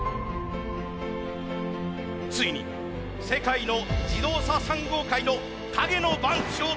ついに世界の自動車産業界の陰の番長登場。